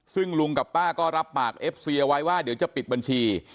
ซึ่งลุงกับป้าก็รับปากเอฟซีเอาไว้ว่าเดี๋ยวจะปิดบัญชี